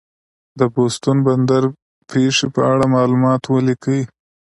د بوستون بندر پېښې په اړه معلومات ولیکئ.